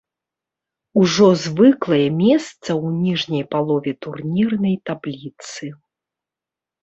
Ужо звыклае месца ў ніжняй палове турнірнай табліцы.